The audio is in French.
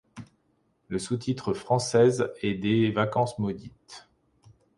Le sous-titre française est Des vacances maudites.